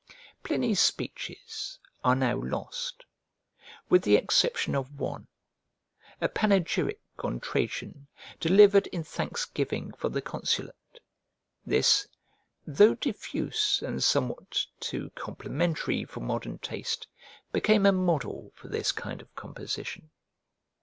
Pliny's speeches are now lost, with the exception of one, a panegyric on Trajan delivered in thanksgiving for the consulate. This, though diffuse and somewhat too complimentary for modern taste, became a model for this kind of composition.